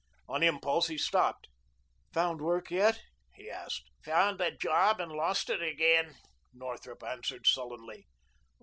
On impulse he stopped. "Found work yet?" he asked. "Found a job and lost it again," Northrup answered sullenly.